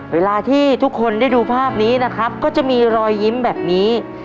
เวลาที่ทุกคนได้ดูภาพนี้นะครับก็จะมีรอยยิ้มแบบนี้